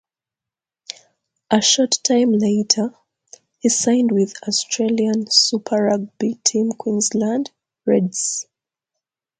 A short time later, he signed with Australian Super Rugby team Queensland Reds.